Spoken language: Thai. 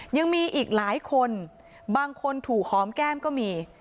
ยังมีอีกหลายคนบางคนถูกหอมแก้มก็มี